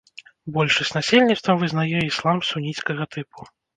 Большасць насельніцтва вызнае іслам суніцкага тыпу.